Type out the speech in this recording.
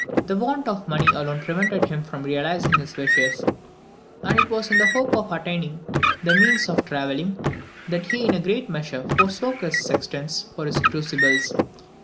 The want of money alone prevented him from realizing his wishes; and it was in the hope of attaining the means of travelling, that he in a great measure forsook his sextants for his crucibles.